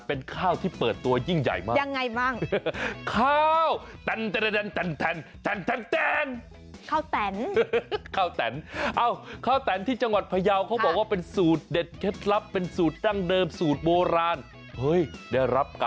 เป็นข้าวที่เปิดตัวยิ่งใหญ่มาก